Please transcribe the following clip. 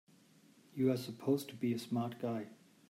You're supposed to be a smart guy!